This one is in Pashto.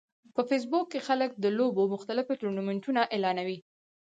په فېسبوک کې خلک د لوبو مختلف ټورنمنټونه اعلانوي